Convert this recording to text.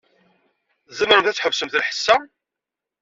Tzemremt ad tḥebsemt lḥess-a?